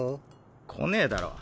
来ねぇだろ。